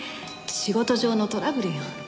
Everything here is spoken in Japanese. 仕事上のトラブルよ。